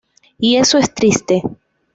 Y eso es triste".